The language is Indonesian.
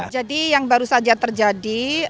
jadi yang baru saja terjadi